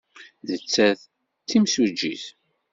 Nettat d timsujjit.